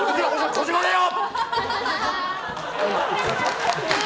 児嶋だよ！